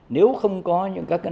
nếu không có những các nỗ lực